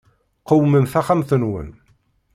Qewmem taxxamt-nwen.